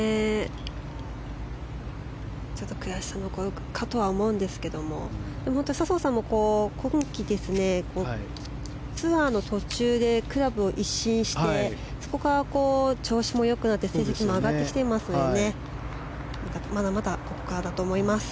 悔しさもあったと思うんですけど笹生さんも、今季ツアーの途中でクラブを一新してそこから、調子も良くなって成績も上がってきていますのでまだまだここからだと思います。